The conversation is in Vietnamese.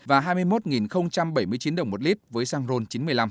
và hai mươi một bảy mươi chín đồng một lít với xăng ron chín mươi năm